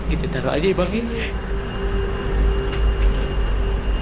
kita taruh aja ibang ini